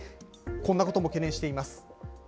こんなことも懸念しています。